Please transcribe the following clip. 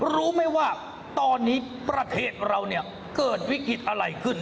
รู้ไหมว่าตอนนี้ประเทศเราเนี่ยเกิดวิกฤตอะไรขึ้น